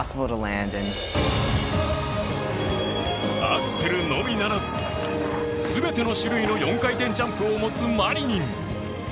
アクセルのみならず全ての種類の４回転ジャンプを持つマリニン。